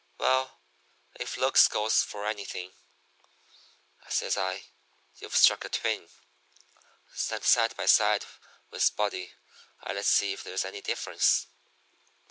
"'Well, if looks goes for anything,' says I, 'you've struck a twin. Stand side by side with buddy, and let's see if there's any difference.'